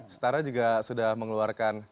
setara juga sudah mengeluarkan